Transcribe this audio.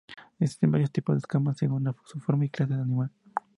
Existen varios tipos de escamas según su forma y la clase de animal.